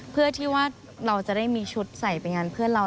เพื่อที่ว่าเราจะได้มีชุดใส่ไปงานเพื่อนเรา